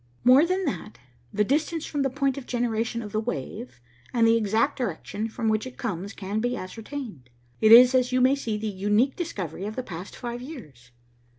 "More than that, the distance from the point of generation of the wave, and the exact direction from which it comes, can be ascertained. It is, as you may see, the unique discovery of the past five years.